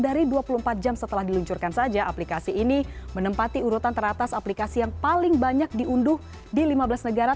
dari dua puluh empat jam setelah diluncurkan saja aplikasi ini menempati urutan teratas aplikasi yang paling banyak diunduh di lima belas negara